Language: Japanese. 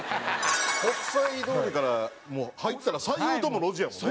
国際通りから入ったら左右とも路地やもんね。